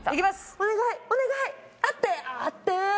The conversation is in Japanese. お願い。